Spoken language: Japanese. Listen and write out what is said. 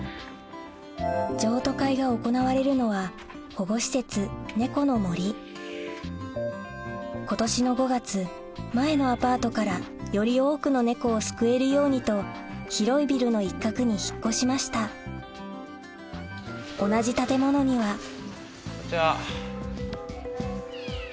譲渡会が行われるのは今年の５月前のアパートからより多くのネコを救えるようにと広いビルの一角に引っ越しました同じ建物にはこんにちは。